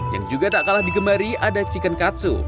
yang juga tak kalah digemari ada chicken katsu